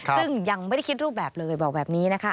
ซึ่งยังไม่ได้คิดรูปแบบเลยบอกแบบนี้นะคะ